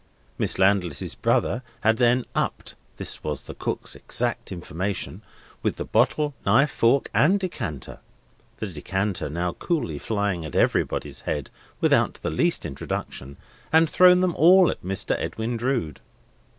Miss Landless's brother had then "up'd" (this was the cook's exact information) with the bottle, knife, fork, and decanter (the decanter now coolly flying at everybody's head, without the least introduction), and thrown them all at Mr. Edwin Drood.